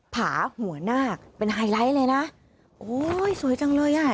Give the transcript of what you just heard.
ผาหัวหน้าเป็นไฮไลท์เลยนะโอ้ยสวยจังเลยอ่ะ